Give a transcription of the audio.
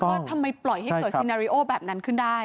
ว่าทำไมปล่อยให้เกิดซีนาริโอแบบนั้นขึ้นได้